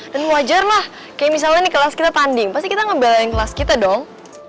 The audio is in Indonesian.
dan wajar lah kayak misalnya di kelas kita tanding pasti kita ngebelain kelas kita dong